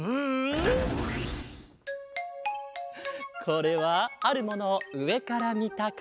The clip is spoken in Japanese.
これはあるものをうえからみたかげだ。